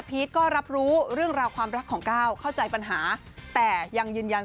ก็รับรู้เรื่องราวความรักของก้าวเข้าใจปัญหาแต่ยังยืนยัน